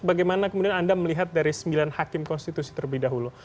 bagaimana kemudian anda melihat dari sembilan hakim konstitusi terlebih dahulu